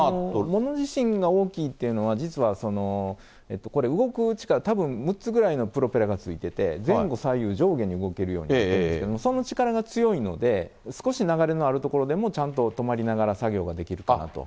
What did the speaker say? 物自身が大きいというのは、実はこれ、動く力、たぶん６つくらいのプロペラがついてて、前後左右上下に動けるようになってるんですけど、その力が強いので、少し流れのある所でも、ちゃんと止まりながら作業ができるかなと。